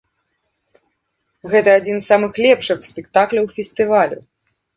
Гэта адзін з самых лепшых спектакляў фестывалю.